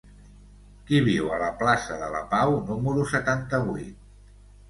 Qui viu a la plaça de la Pau número setanta-vuit?